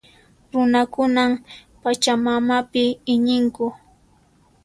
Runakunan Pachamamapi iñinku.